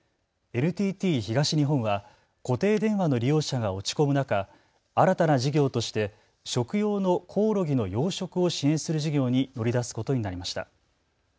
ＮＴＴ東日本は固定電話の利用者が落ち込む中、新たな事業として食用のコオロギの養殖を支援する事業に乗り出すことになりました。